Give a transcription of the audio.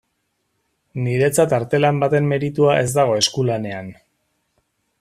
Niretzat artelan baten meritua ez dago eskulanean.